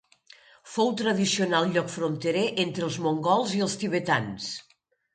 Fou tradicional lloc fronterer entre els mongols i els tibetans.